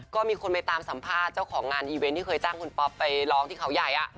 ก็มีคนไปตามสัมภาษณ์เจ้าของงานอีเวนต์ที่เคยจ้างคุณป๊อปไปร้องที่เขาใหญ่